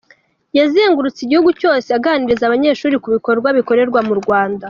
Yazengurutse igihugu cyose aganiriza abanyeshuri ku bikorwa bikorerwa mu Rwanda.